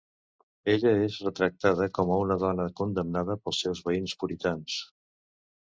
Ella és retractada com a una dona condemnada pels seus veïns puritans.